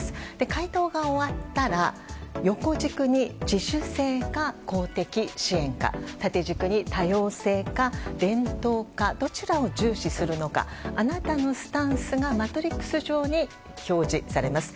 回答が終わったら横軸に自主性か公的支援か縦軸に多様性か伝統かどちらを重視するのかあなたのスタンスがマトリックス上に表示されます。